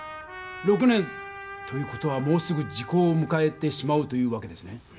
６年という事はもうすぐ時効をむかえてしまうというわけですね。